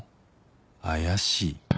怪しい